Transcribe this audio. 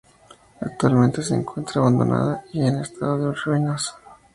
Actualmente se encuentra abandonada y en estado de ruinas.